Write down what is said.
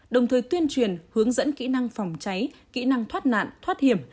đồng thời tuyên truyền hướng dẫn kỹ năng phòng cháy kỹ năng thoát nạn thoát hiểm